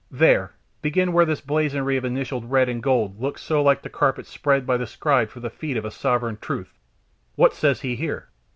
There, begin where this blazonry of initialed red and gold looks so like the carpet spread by the scribe for the feet of a sovereign truth what says he here?"